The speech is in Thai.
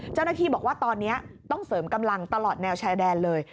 เจ้าหน้าที่บอกว่าตอนนี้ต้องเสริมกำลังตลอดแนวชายแดนเลย